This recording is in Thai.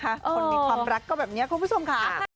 คนมีความรักก็แบบนี้คุณผู้ชมค่ะ